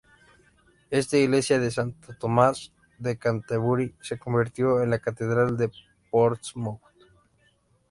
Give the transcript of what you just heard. Esta iglesia de Santo Tomás de Canterbury se convirtió en la catedral de Portsmouth.